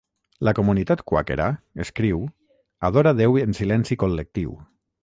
La comunitat quàquera, escriu, adora Déu en silenci col·lectiu.